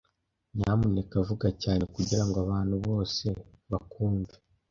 Nyamuneka vuga cyane kugirango abantu bose bakwumve.